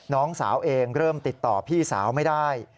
น้องสาวเองเริ่มติดต่อพี่สาวไม่ได้